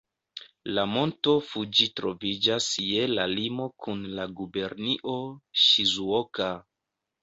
La Monto Fuĝi troviĝas je la limo kun la gubernio Ŝizuoka.